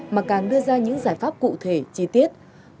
mà càng đưa ra những giải pháp cụ thể chi tiết